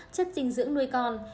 chất dinh dưỡng nuôi con